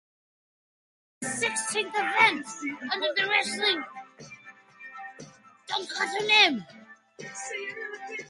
This was the sixteenth event under the Wrestling Dontaku name.